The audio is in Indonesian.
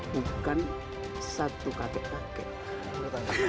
bukan satu kakek kakek